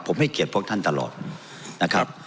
ผมให้เกียรติพวกท่านตลอดนะครับ